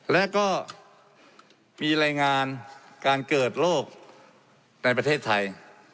และก็มีรายงานการเกิดโรคในประเทศไทย